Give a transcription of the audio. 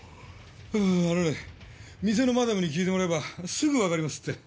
あのね店のマダムに聞いてもらえばすぐわかりますって。